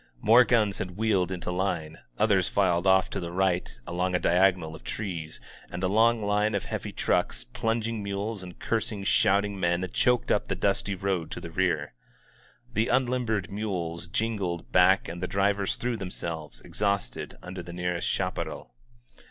More guns had wheeled into, line; others filed off to the right along a diagonal of trees, and a long line of heavy trucks, plunging mules^ and cursing, shouting men choked up the dusty road to the rear. The unlimbered mules jingled back and the drivers threw themselves, exhausted, under the nearest chaparral.